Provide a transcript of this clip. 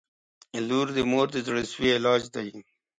• لور د مور د زړسوي علاج دی.